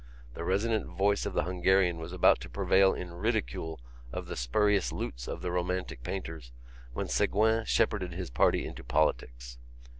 The resonant voice of the Hungarian was about to prevail in ridicule of the spurious lutes of the romantic painters when Ségouin shepherded his party into politics.